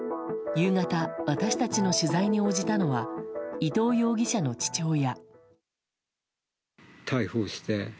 夕方、私たちの取材に応じたのは伊藤容疑者の父親。